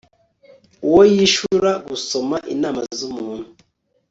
uwo yishura gusoma inama z'umuntu